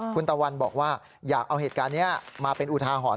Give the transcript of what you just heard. คุณตะวันบอกว่าอยากเอาเหตุการณ์นี้มาเป็นอุทาหรณ์